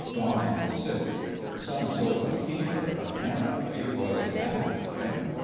Donnie was sick. Some sort of a fever, apparently, was the matter with him.